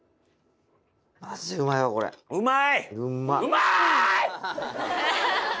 うまい！